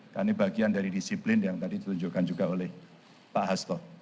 karena ini bagian dari disiplin yang tadi ditunjukkan juga oleh pak hasto